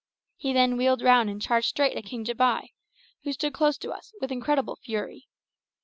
He then wheeled round and charged straight at King Jambai, who stood close to us, with incredible fury.